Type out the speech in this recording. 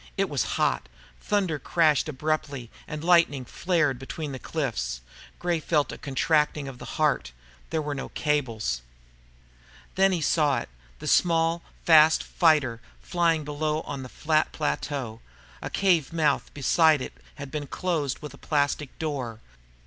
It was hot. Thunder crashed abruptly, and lightning flared between the cliffs. Gray felt a contracting of the heart. There were no cables. Then he saw it the small, fast fighter flying below them on a flat plateau. A cave mouth beside it had been closed with a plastic door.